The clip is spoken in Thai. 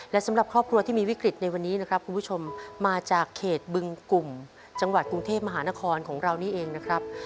และสำหรับครอบครัวที่มีวิกฤตในวันนี้นะครับคุณผู้ชมมาจากเขตบึงกลุ่มจังหวัดกรุงเทพมหานครของเรานี่เองนะครับ